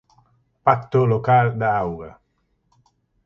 Pacto local da auga.